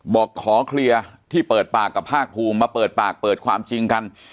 บอกขอเคลียร์ที่เปิดปากกับภาคภูมิมาเปิดปากเปิดความจริงกัน